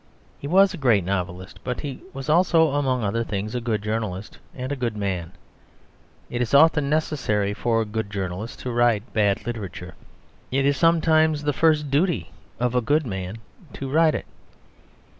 He was a great novelist; but he was also, among other things, a good journalist and a good man. It is often necessary for a good journalist to write bad literature. It is sometimes the first duty of a good man to write it.